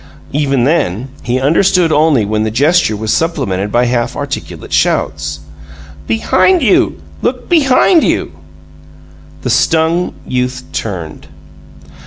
Even then he understood only when the gesture was supplemented by half articulate shouts: "Behind you! Look BEHIND you!" The stung youth turned.